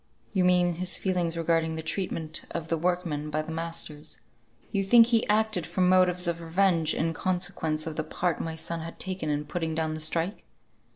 "You mean his feelings regarding the treatment of the workmen by the masters; you think he acted from motives of revenge, in consequence of the part my son had taken in putting down the strike?"